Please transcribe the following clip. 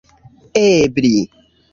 ebli